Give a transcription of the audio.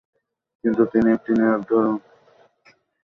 কিন্তু তিনি, একটি নীরব ধরন, চুপচাপ ভোগেন।